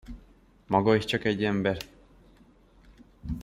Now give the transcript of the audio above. Maga is csak egy ember!